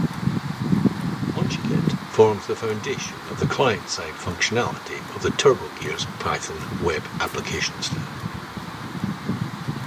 MochiKit forms the foundation of the client-side functionality of the TurboGears Python web-application stack.